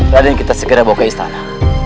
raden kita segera bawa ke istana